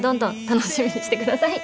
楽しみにしてください！